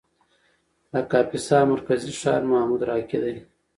د کاپیسا مرکزي ښار محمودراقي دی.